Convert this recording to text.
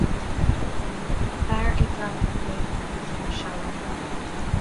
Fear ag glanadh cré de ghimseán láí.